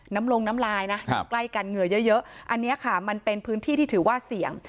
น้ำลงน้ำลายนะอยู่ใกล้กันเหงื่อเยอะอันนี้ค่ะมันเป็นพื้นที่ที่ถือว่าเสี่ยง